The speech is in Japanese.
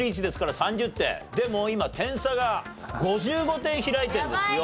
でも今点差が５５点開いてるんですよ。